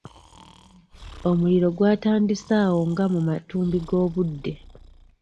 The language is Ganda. Omuliro gwatandise awo nga mu matumbi g'obudde.